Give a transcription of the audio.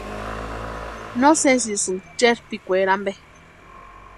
¿No sesisïnki cherpikwaeri ampe?